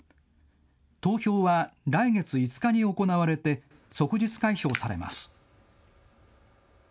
投票は来月５日に行われて即日開票されます。